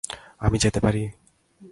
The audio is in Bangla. আমি যেতে পারি?